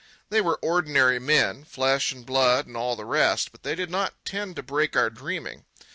They were ordinary men, flesh and blood and all the rest; but they did not tend to break our dreaming.